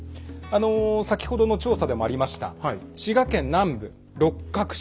先ほどの調査でもありました滋賀県南部六角氏。